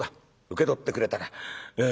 受け取ってくれたか？」。